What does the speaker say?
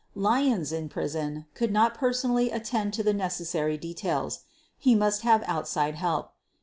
Lyons, in prison, could not personally attend to the necessary details. He must have outside help.